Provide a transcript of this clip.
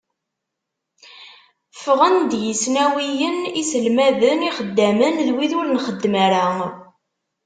Ffɣen-d yisnawiyen, iselmaden, ixeddamen d wid ur nxeddem ara.